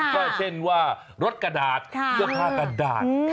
ก็เช่นว่ารถกระดาษเสื้อผ้ากระดาษ